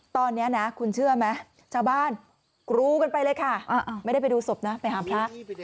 ตอนนี้นะคุณเชื่อไหมชาวบ้านกรูกันไปเลยค่ะไม่ได้ไปดูศพนะไปหาพระ